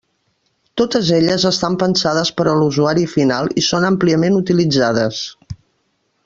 Totes elles estan pensades per a l'usuari final i són àmpliament utilitzades.